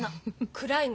暗いの？